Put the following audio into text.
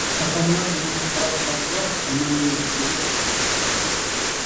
ئاپاملار يولۇمغا قاراپ قالدى دە يامان يېرى-دېدى ئۇ.